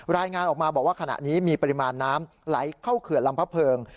รายงานออกมาบอกว่าขณะนี้มีปริมาณน้ำไหลเข้าเขื่อนลำพะเพิง